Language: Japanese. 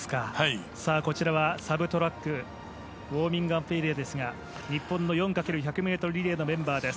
こちらはサブトラックウォーミングアップエリアですが日本の４×１００ｍリレーのメンバーです。